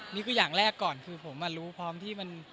นี่คืออย่างแรกก่อนคือผมรู้พร้อมที่มัน